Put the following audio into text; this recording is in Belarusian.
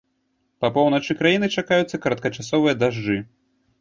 Па поўначы краіны чакаюцца кароткачасовыя дажджы.